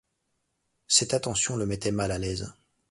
Cette attention le mettait mal à l'aise.